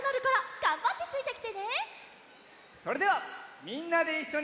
それではみんなでいっしょに。